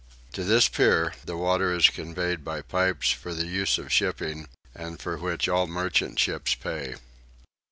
To this pier the water is conveyed by pipes for the use of shipping, and for which all merchant ships pay.